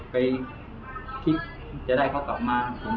ไปคิดจะได้เขากลับมา